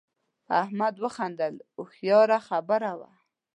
احمد وخندل هوښیاره خبره وه.